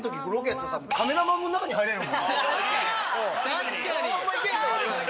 確かに！